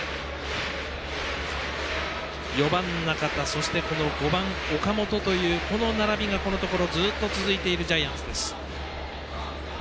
４番、中田そして５番、岡本というこの並びが、このところずっと続いているジャイアンツ。